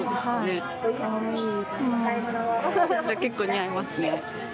それ結構似合いますね